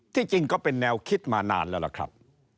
จริงก็เป็นแนวคิดมานานแล้วล่ะครับ